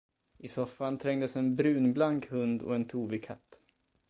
I soffan trängdes en brunblank hund och en tovig katt.